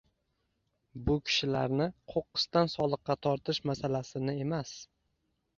bu kishilarni qo‘qqisdan soliqqa tortish masalasini emas